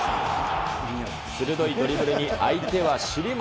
鋭いドリブルに相手は尻餅。